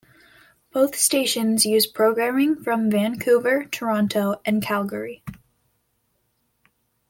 Both stations use programming from Vancouver, Toronto, and Calgary.